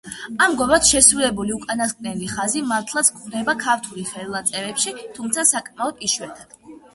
ამგვარად შესრულებული უკანასკნელი ხაზი მართლაც გვხვდება ქართულ ხელნაწერებში, თუმცა საკმაოდ იშვიათია.